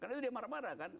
karena itu dia marah marah kan